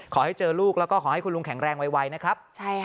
ขอให้เจอลูกแล้วก็ขอให้คุณลุงแข็งแรงไวนะครับ